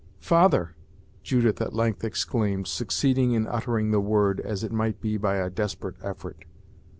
"Father!" Judith at length exclaimed, succeeding in uttering the word, as it might be by a desperate effort.